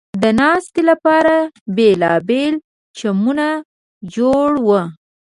د ناستې لپاره بېلابېل چمنونه جوړ و.